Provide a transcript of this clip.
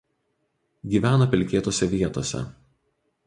Gyvena pelkėtose vietose.